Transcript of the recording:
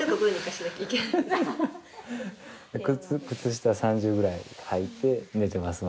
靴下３重ぐらい履いて寝てます